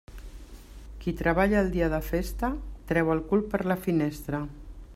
Qui treballa el dia de festa, treu el cul per la finestra.